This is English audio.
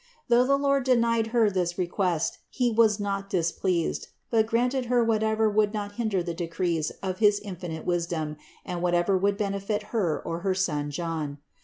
Though the Lord denied her this request He was not displeased, but granted her whatever would not hinder the decrees of his infinite wisdom and whatever would benefit her or her son John.